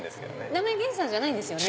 名前源さんじゃないんですよね？